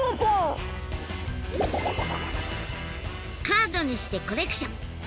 カードにしてコレクション。